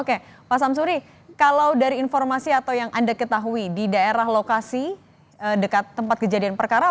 oke pak samsuri kalau dari informasi atau yang anda ketahui di daerah lokasi dekat tempat kejadian perkara